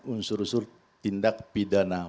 unsur unsur tindak pidana